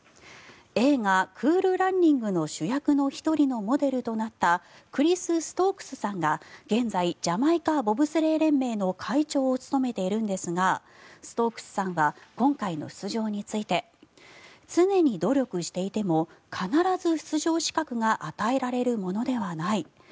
映画「クール・ランニング」の主役の１人のモデルとなったクリス・ストークスさんが現在ジャマイカ・ボブスレー連盟の会長を務めているんですがストークスさんは今回の出場について常に努力していても必ず出場資格が与えられるものではない。